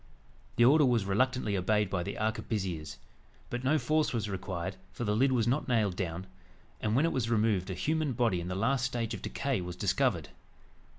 The order was reluctantly obeyed by the arquebusiers. But no force was required, for the lid was not nailed down; and when it was removed, a human body in the last stage of decay was discovered.